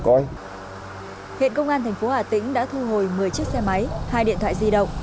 hiện công an thành phố hà tĩnh đã thu hồi một mươi chiếc xe máy hai điện thoại di động